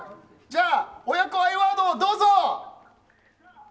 親子愛ワードをどうぞ！